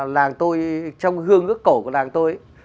làng tôi trong hương ước cổ của làng tôi